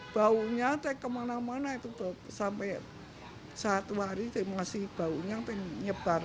baunya kemana mana sampai saat hari masih baunya nyebar